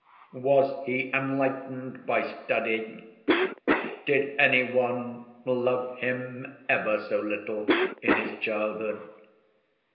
Was he enlightened by study? Did any one love him ever so little in his childhood?